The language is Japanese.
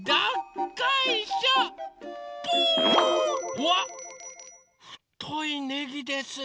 うわっふといねぎですね。